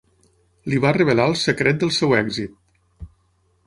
Li va revelar el secret del seu èxit.